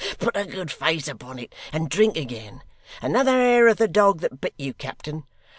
Put a good face upon it, and drink again. Another hair of the dog that bit you, captain!